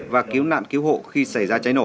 và cứu nạn cứu hộ khi xảy ra cháy nổ